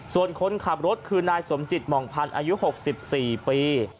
ส่วนคนขับรถคือนายสมจิตหม่องพันธ์อายุ๖๔ปี